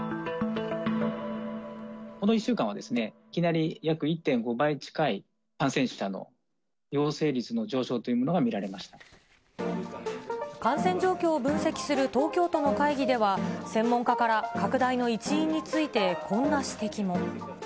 この１週間は、いきなり約１．５倍近い感染者の陽性率の上昇というものが見られ感染状況を分析する東京都の会議では、専門家から拡大の一因についてこんな指摘も。